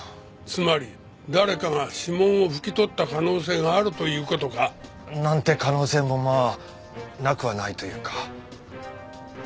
つまり誰かが指紋を拭き取った可能性があるという事か？なんて可能性もまあなくはないというか。